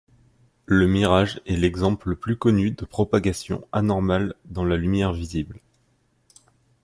Le mirage est l'exemple le plus connu de propagation anormale dans la lumière visible.